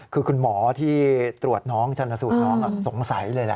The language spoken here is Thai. คือคุณหมอที่ตรวจน้องชันสูตรน้องสงสัยเลยแหละ